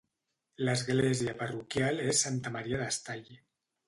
L'església parroquial és Santa Maria d'Estall.